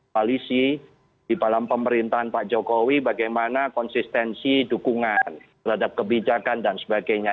koalisi di dalam pemerintahan pak jokowi bagaimana konsistensi dukungan terhadap kebijakan dan sebagainya